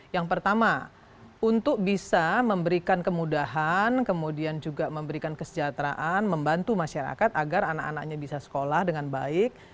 yang pertama untuk bisa memberikan kemudahan kemudian juga memberikan kesejahteraan membantu masyarakat agar anak anaknya bisa sekolah dengan baik